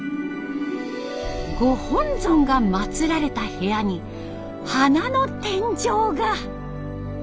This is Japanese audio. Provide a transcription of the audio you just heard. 御本尊が祭られた部屋に花の天井画。